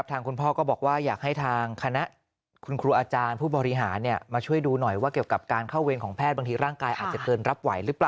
บางทีก็จะให้พ่อขับรถเป็นไพ้นะครับ